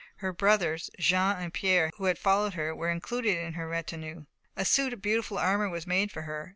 Her brothers, Jean and Pierre, who had followed her, were included in her retinue. A suit of beautiful armour was made for her.